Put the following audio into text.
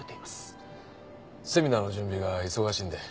セミナーの準備が忙しいんで。